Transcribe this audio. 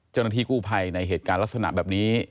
เจ้าหน้าที่กู้ภัยในเหตุการณ์ลักษณะแบบนี้